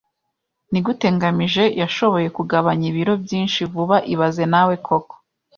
Nigute ngamije yashoboye kugabanya ibiro byinshi vuba ibaze nawe koko